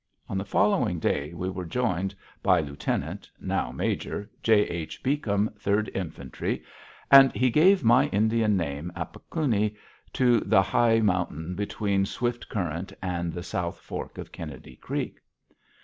On the following day we were joined by Lieutenant now Major J. H. Beacom, Third Infantry, and he gave my Indian name, Apikuni, to the high mountain between Swift Current and the South Fork of Kennedy Creek.